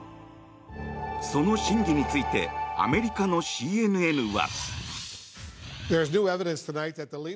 その真偽についてアメリカのＣＮＮは。